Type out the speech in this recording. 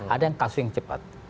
ada yang kasus yang cepat